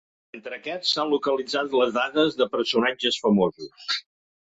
Entre aquests s’han localitzat les dades de personatges famosos.